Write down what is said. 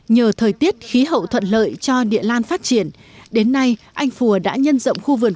nhờ thời tiết khí hậu thuận lợi cho địa lan phát triển đến nay anh phùa đã nhân rộng khu vườn